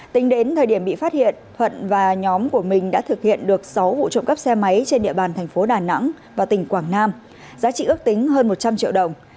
tính đến thời điểm bị phát hiện thuận và nhóm của mình đã thực hiện được sáu vụ trộm cắp xe máy trên địa bàn thành phố đà nẵng và tỉnh quảng nam giá trị ước tính hơn một trăm linh triệu đồng